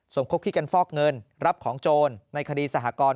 คบที่กันฟอกเงินรับของโจรในคดีสหกร